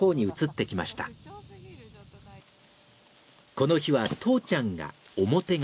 この日はとうちゃんが表側。